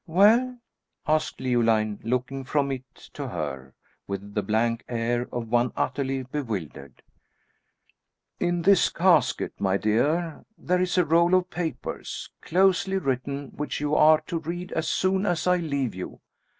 "Well!" asked Leoline, looking from it to her, with the blank air of one utterly bewildered, "In this casket, my dear, there is a roll of papers, closely written, which you are to read as soon as I leave you.